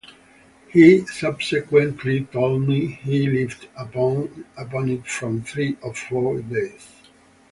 He subsequently told me he lived upon it for three or four days.